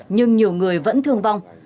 nhưng nhiều người vẫn thương vong